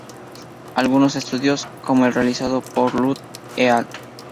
Algunos estudios, como el realizado por Lü "et al.